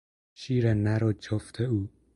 شیر نر و جفت او